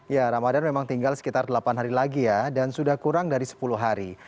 ya ramadan memang tinggal sekitar delapan hari lagi ya dan sudah kurang dari sepuluh hari